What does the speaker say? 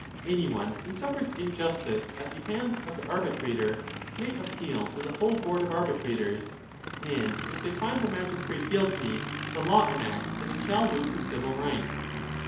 Anyone who suffers injustice at the hands of the Arbitrator may appeal to the whole board of Arbitrators, and if they find the magistrate guilty, the law enacts that he shall lose his civil rights.